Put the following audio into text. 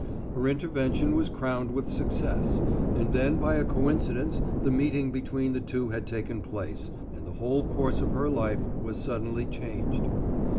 Her intervention was crowned with success, and then by a coincidence the meeting between the two had taken place and the whole course of her life was suddenly changed.